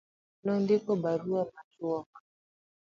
Nondiko barua machuok.